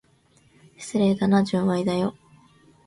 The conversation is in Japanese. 失礼だな、純愛だよ。